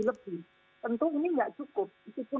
lebih tentu ini nggak cukup disitu